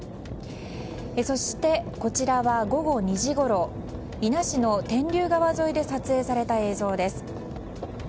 そしてこちらは午後２時ごろ伊那市のテンリュウ川沿いで撮影された映像です。